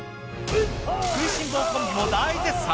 食いしん坊コンビも大絶賛。